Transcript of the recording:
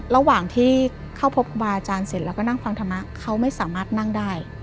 ระหว่างที่เข้าพบครูบาอาจารย์เสร็จแล้วก็นั่งฟังธรรมะเขาไม่สามารถนั่งได้